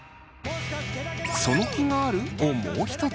「その気がある？」をもう一つ。